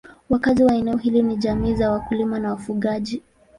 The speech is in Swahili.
Wakazi wa eneo hili ni jamii za wakulima na wafugaji.